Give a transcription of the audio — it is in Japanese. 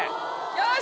よし！